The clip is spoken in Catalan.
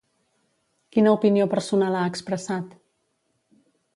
Quina opinió personal ha expressat?